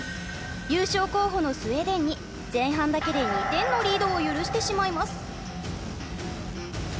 優勝候補のスウェーデンに前半だけで２点のリードを許してしまいます。